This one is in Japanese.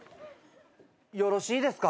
よろしいですか？